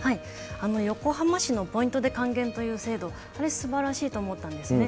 横浜市のポイントで還元という制度、あれすばらしいと思ったんですね。